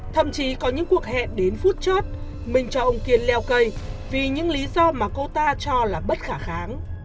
thậm chí có những cuộc hẹn đến phút chót mình cho ông kiên leo cây vì những lý do mà cô ta cho là bất khả kháng